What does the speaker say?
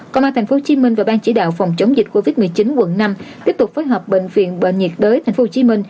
công an tp hcm và ban chỉ đạo phòng chống dịch covid một mươi chín quận năm tiếp tục phối hợp bệnh viện bệnh nhiệt đới tp hcm